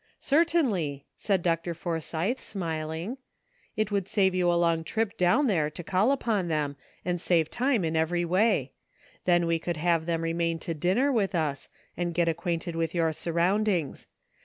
"Certainly," said Dr. Forsythe, smiling; *' it would save you a long trip down there to call upon them, and save time in every way. Then we could have them remain to dinner with us, and get acquainted with your surroundings.